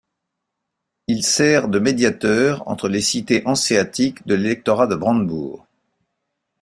Il sert de médiateur entre les cités hanséatiques et l'électorat de Brandebourg.